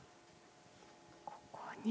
ここに。